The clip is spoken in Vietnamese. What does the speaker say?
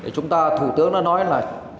chúng ta thủ tướng đã nói là chống dịch